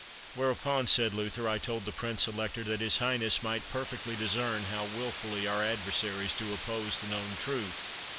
Whereupon, said Luther, I told the Prince Elector that his Highness might perfectly discern how wilfully our adversaries do oppose the known truth.